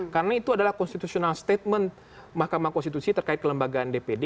karena itu adalah constitutional statement mahkamah konstitusi terkait kelembagaan dpd